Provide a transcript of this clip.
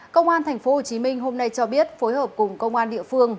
công an tp hcm hôm nay cho biết phối hợp cùng công an địa phương